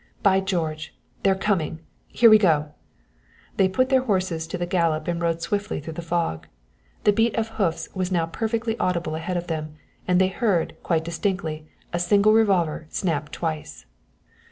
"By George! They're coming here we go!" They put their horses to the gallop and rode swiftly through the fog. The beat of hoofs was now perfectly audible ahead of them, and they heard, quite distinctly, a single revolver snap twice.